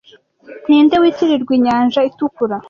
Ninde witirirwa inyanja itukura